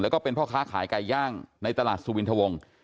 แล้วก็เป็นพ่อค้าขายไก่ย่างในตลาดสุวินทวง